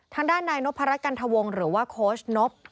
ทางด้านในนพรัชกัณฑวงหรือว่าโคชนพ